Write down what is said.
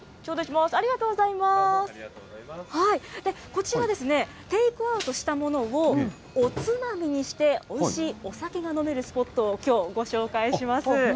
こちら、テイクアウトしたものを、おつまみにして、おいしいお酒が飲めるスポットを、きょう、ご紹介します。